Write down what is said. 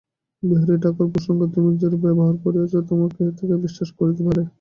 বিহারী-ঠাকুরপোর সঙ্গে তুমি যেরূপ ব্যবহার করিয়াছ, তোমাকে কে বিশ্বাস করিতে পারে।